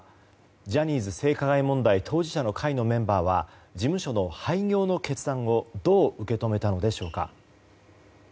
ジャニーズ性加害問題当事者の会のメンバーは事務所の廃業の決断をどう受け止めたのでしょうか。